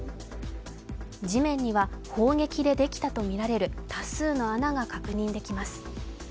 地面には砲撃でできたとみられる多数の穴が確認できます。